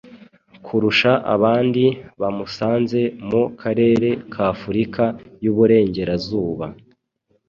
kurusha abandi bamusanze mu karere k'Afurika y'uburengerazuba.